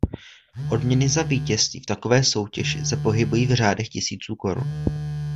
Odměny za vítězství v takové soutěži se pohybují v řádech tisíců korun.